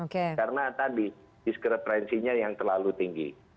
karena tadi diskrepensinya yang terlalu tinggi